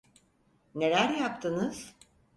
Neler yaptınız?